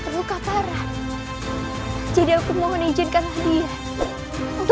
tidak perlu kamu membungkuk seperti itu